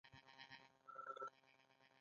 امیر د هغه په مشوره د مزار پر لور حرکت وکړ.